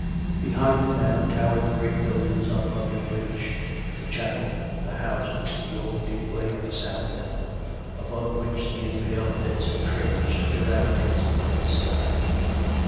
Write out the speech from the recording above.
Behind them now towered the great buildings on London Bridge — the chapel, the houses, the old gateway on the south end, above which the impaled heads of traitors stood out against the bright sky.